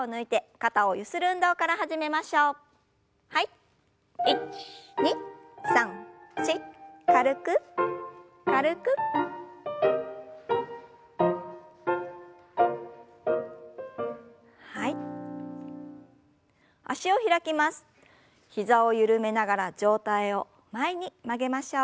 膝を緩めながら上体を前に曲げましょう。